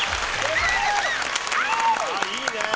いいねぇ。